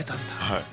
はい。